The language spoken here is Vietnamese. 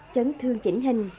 chấn thương chỉnh hình